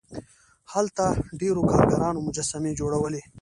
هلته ډیرو کارګرانو مجسمې جوړولې.